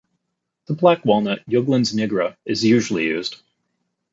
The Black Walnut "Juglans nigra" is usually used.